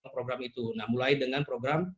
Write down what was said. program itu nah mulai dengan program